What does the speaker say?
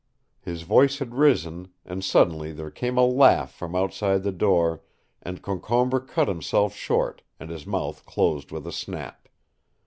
His voice had risen, and suddenly there came a laugh from outside the door, and Concombre cut himself short and his mouth closed with a snap.